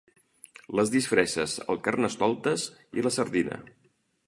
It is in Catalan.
Les disfresses, el carnestoltes i la sardina.